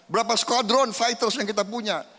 berapa skuadron fighters yang kita punya